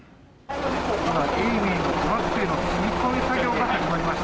今、永明のトラックへの積み込み作業が始まりました。